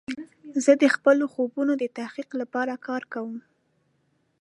زه د خپلو خوبونو د تحقق لپاره کار کوم.